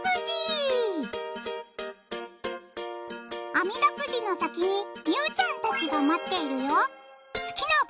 あみだくじの先にみゅーちゃんたちが待っているよ